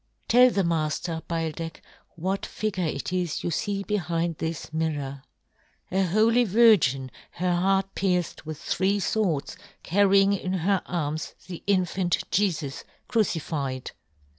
" Tell the mafl:er, " Beildech, what figure it is you fee " behind this mirror." " A Holy I20 John Gutenberg. " Virgin, her heart pierced with " three fwords, carrying in her arms " the infant Jefus, crucified."